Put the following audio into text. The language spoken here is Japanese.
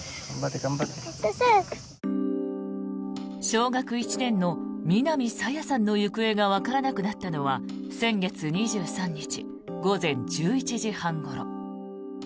小学１年の南朝芽さんの行方がわからなくなったのは先月２３日午前１１時半ごろ。